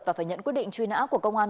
và phải nhận quyết định truy nã của công an